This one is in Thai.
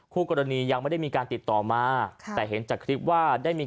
คู่กรณียังไม่ได้มีการติดต่อมาค่ะแต่เห็นจากคลิปว่าได้มี